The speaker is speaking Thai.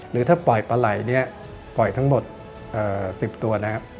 หรือถ้าปล่อยปลาไหล่เนี่ยปล่อยทั้งหมด๑๐ตัวนะครับ